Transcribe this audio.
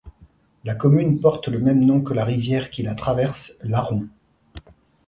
La commune porte le même nom que la rivière qui la traverse, l'Aron.